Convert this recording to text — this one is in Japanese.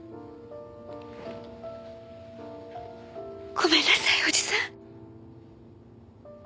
ごめんなさいおじさん。